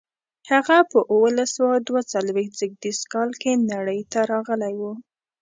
هغه په اوولس سوه دوه څلویښت زېږدیز کال کې نړۍ ته راغلی و.